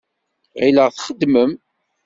Ɣileɣ txeddmem.